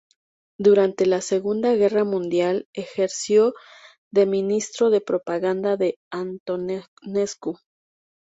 Durante la segunda guerra mundial ejerció de ministro de Propaganda de Antonescu.